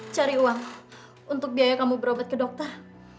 cari uang untuk biaya kamu berobat ke dokter